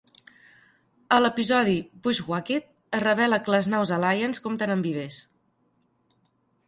A l'episodi "Bushwhacked" es revela que les naus Alliance compten amb vivers.